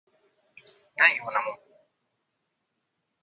ないようなもん